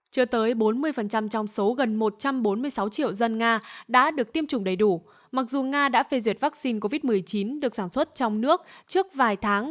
chưa tới bốn mươi trong số gần một trăm bốn mươi sáu triệu dân nga đã được tiêm chủng đầy đủ mặc dù nga đã phê duyệt vaccine covid một mươi chín được sản xuất trong nước trước vài tháng